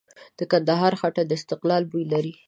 د کندهار خټه د استقلال بوی لري.